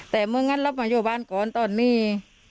แต่เมื่องั้นเรามาอยู่บ้านก่อนตอนนี้